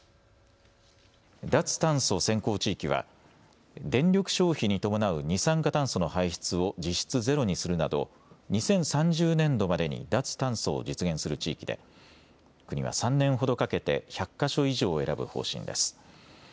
脱炭素先行地域は電力消費に伴う二酸化炭素の排出を実質ゼロにするなど２０３０年度までに脱炭素を実現する地域で国は３年ほどかけて１００か所以上を選ぶ方針です。